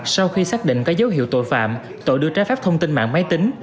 sau khi xác định có dấu hiệu tội phạm tội đưa trái phép thông tin mạng máy tính